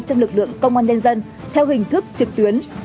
trong lực lượng công an nhân dân theo hình thức trực tuyến